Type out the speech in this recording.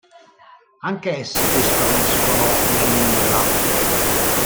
Anche essi poi spariscono nel nulla.